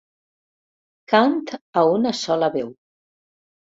Cant a una sola veu.